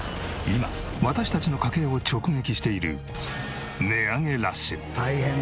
今私たちの家計を直撃している値上げラッシュ。